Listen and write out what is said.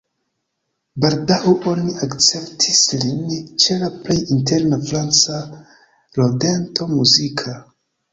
Baldaŭ oni akceptis lin ĉe la plej interna franca rondeto muzika.